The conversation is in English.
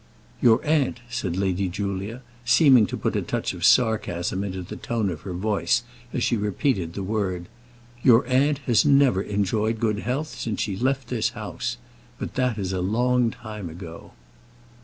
"Your aunt," said Lady Julia, seeming to put a touch of sarcasm into the tone of her voice as she repeated the word "your aunt has never enjoyed good health since she left this house; but that is a long time ago."